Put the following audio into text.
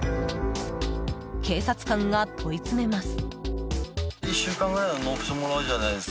警察官が問い詰めます。